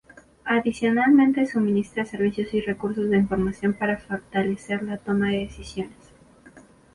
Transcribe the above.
Adicionalmente suministra servicios y recursos de información para fortalecer la toma de decisiones.